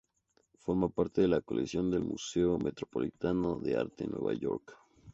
Forma parte de la colección del Museo Metropolitano de Arte en Nueva York.